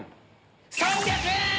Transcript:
３００円！